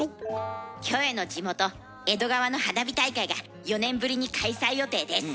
キョエの地元江戸川の花火大会が４年ぶりに開催予定です。